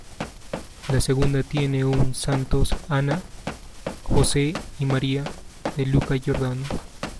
La segunda tiene un "Santos Ana, Jose y María" de Luca Giordano.